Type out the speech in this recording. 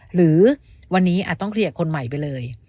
หรือวันนี้อาจต้องเคลียร์กับคนใหม่ไปเลย